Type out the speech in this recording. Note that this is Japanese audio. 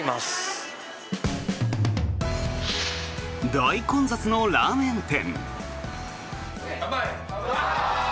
大混雑のラーメン店。